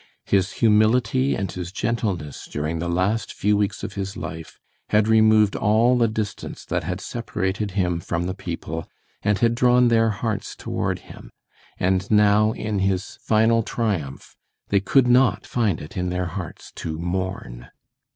His humility and his gentleness during the last few weeks of his life had removed all the distance that had separated him from the people, and had drawn their hearts toward him; and now in his final triumph they could not find it in their hearts to mourn.